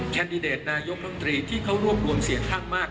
แคนดิเดตนายกรมตรีที่เขารวบรวมเสียงข้างมาก